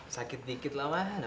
sakit dikit lama